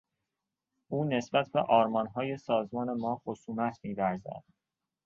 او نسبت به آرمانهای سازمان ما خصومت میورزد.